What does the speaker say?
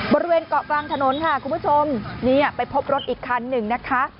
บริเวณเกาะกลางถนนค่ะคุณผู้ชมนี่ไปพบรถอีกคันหนึ่งนะคะ